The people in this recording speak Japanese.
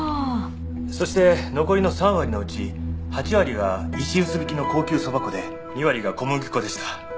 そして残りの３割のうち８割が石臼挽きの高級そば粉で２割が小麦粉でした。